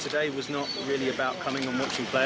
hari ini bukan tentang menonton pemain